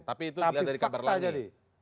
tapi itu dilihat dari kabar lain